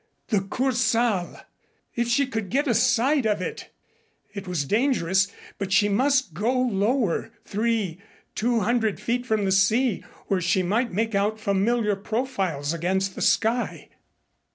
The Kursaal! If she could get a sight of it! It was dangerous, but she must go lower three two hundred feet from the sea, where she might make out familiar profiles against the sky.